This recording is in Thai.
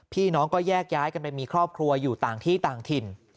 พี่น้องก็แยกย้ายกันไปมีครอบครัวอยู่ต่างที่ต่างถิ่น